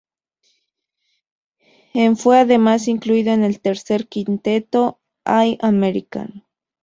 En fue además incluido en el tercer quinteto All-American.